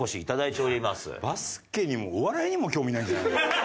バスケにもお笑いにも興味ないんじゃないの？